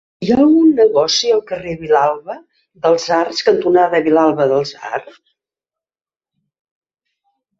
Hi ha algun negoci al carrer Vilalba dels Arcs cantonada Vilalba dels Arcs?